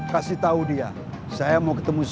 kasih tahu dia saya mau ketemu sore ini